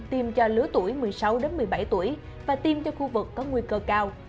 tiêm cho lứa tuổi một mươi sáu một mươi bảy tuổi và tiêm cho khu vực có nguy cơ cao